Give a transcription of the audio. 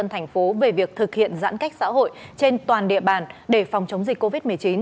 thành phố về việc thực hiện giãn cách xã hội trên toàn địa bàn để phòng chống dịch covid một mươi chín